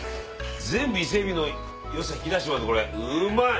全部伊勢海老のよさ引き出してます